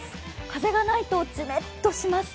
風がないとジメっとします。